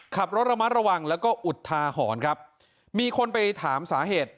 ขับรถระมัดระวังแล้วก็อุทาหรณ์ครับมีคนไปถามสาเหตุ